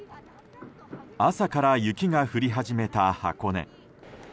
朝から雪が降り始めた箱根。